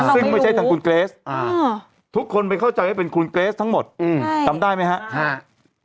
ซึ่งไม่ใช่ทางคุณเกรสทุกคนไปเข้าใจว่าเป็นคุณเกรสทั้งหมดจำได้ไหมครับ